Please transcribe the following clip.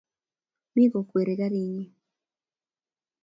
Mi kokwerie karinyi